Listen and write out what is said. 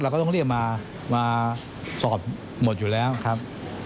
ก็ต้องเรียกมามาสอบหมดอยู่แล้วครับ